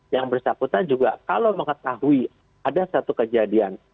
yang bersangkutan juga kalau mengetahui ada satu kejadian